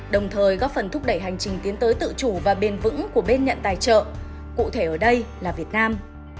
đồng thời góp phần thúc đẩy hành trình tiến tới tự chủ và bền vững của bên nhận tài trợ cụ thể ở đây là việt nam